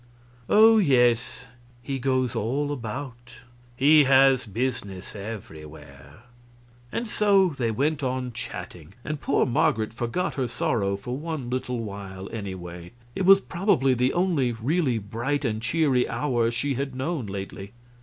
"Oh yes, he goes all about; he has business everywhere." And so they went on chatting, and poor Marget forgot her sorrow for one little while, anyway. It was probably the only really bright and cheery hour she had known lately.